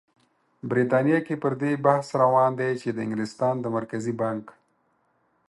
بریتانیا کې پر دې بحث روان دی چې د انګلستان د مرکزي بانک